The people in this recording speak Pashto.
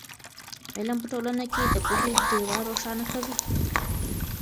علم په ټولنه کې د پوهې ډېوه روښانه کوي.